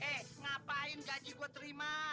eh ngapain gaji gue terima